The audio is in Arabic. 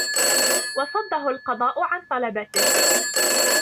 وَصَدَّهُ الْقَضَاءُ عَنْ طَلِبَتِهِ